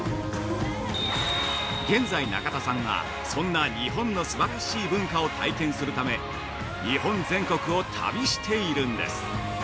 現在、中田さんはそんな日本のすばらしい文化を体験するため日本全国を旅しているんです。